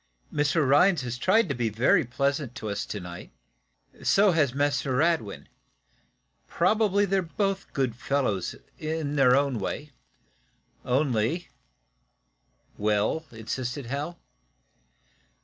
"Mr. Rhinds has tried to be very pleasant to us to night. So has Mr. Radwin. Probably they're both good fellows, in their own way. Only " "Well?" insisted Hal.